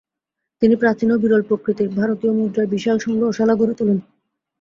তিনি প্রাচীন ও বিরল প্রকৃতির ভারতীয় মুদ্রার বিশাল সংগ্রহশালা গড়ে তোলেন।